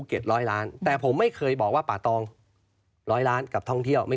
เอาให้มันใช่ไหมฮะ